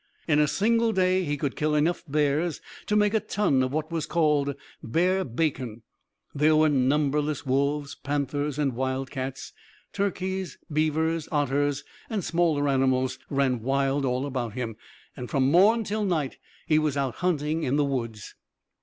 In a single day he could kill enough bears to make a ton of what was called bear bacon; there were numberless wolves, panthers, and wildcats; turkeys, beavers, otters and smaller animals ran wild all about him, and from morn till night he was out hunting in the woods.